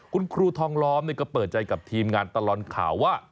คุณครูทองล้อมก็เปิดใจกับทีมงานตลอดข่าวว่า